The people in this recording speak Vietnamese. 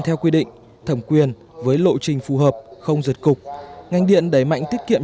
theo quy định thẩm quyền với lộ trình phù hợp không giật cục ngành điện đẩy mạnh tiết kiệm